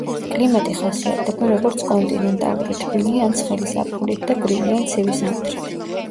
კლიმატი ხასიათდება, როგორც კონტინენტალური თბილი ან ცხელი ზაფხულით და გრილი ან ცივი ზამთრით.